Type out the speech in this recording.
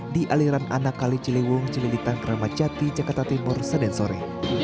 di aliran anakali ciliwung cililitan kramacati jakarta timur seden sore